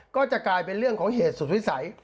ก็จะกลายเป็นเรื่องของเหตุสุดวิสัย